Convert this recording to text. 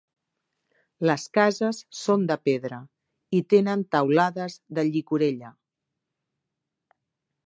Les cases són de pedra i tenen teulades de llicorella.